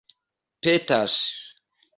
petas